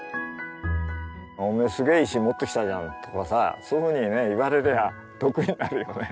お前すげえ石持ってきたじゃんとかさそういうふうにね言われりゃあ得意になるよね。